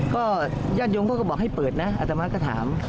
ก็ญาติโยมเขาก็บอกให้เปิดนะอัตมาก็ถาม